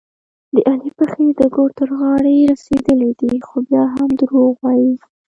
د علي پښې د ګور تر غاړې رسېدلې دي، خو بیا هم دروغ وايي.